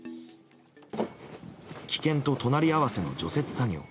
危険と隣り合わせの除雪作業。